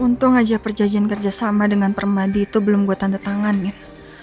untung aja perjanjian kerjasama dengan permadi itu belum buat tanda tangan gitu